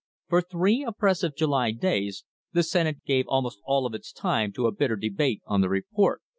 For three oppressive July days the Senate gave almost all of its time to a bitter debate on the report.